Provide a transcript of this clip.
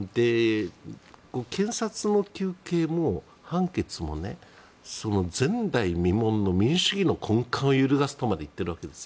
検察の求刑も判決もその前代未聞の民主主義の根幹を揺るがすとまで言っているわけです。